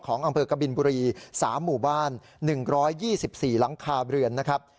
ของอำเภอกบินบุรี๓หมู่บ้าน๑๒๔หลังคาเรือนนะครับ